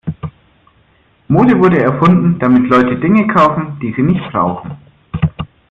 Mode wurde erfunden, damit Leute Dinge kaufen, die sie nicht brauchen.